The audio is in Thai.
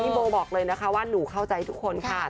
โบบอกเลยนะคะว่าหนูเข้าใจทุกคนค่ะ